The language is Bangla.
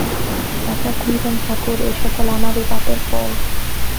রাজা কহিলেন, ঠাকুর, এ সকল আমারই পাপের ফল।